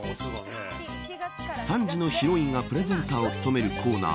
３時のヒロインがプレゼンターを務めるコーナー。